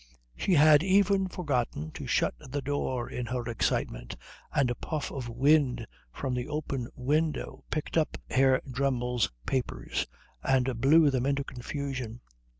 She had even forgotten to shut the door in her excitement, and a puff of wind from the open window picked up Herr Dremmel's papers and blew them into confusion.